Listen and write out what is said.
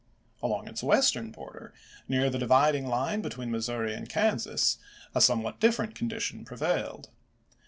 Along its western border, near the dividing line between Missouri and Kansas, a somewhat different condition pre vailed.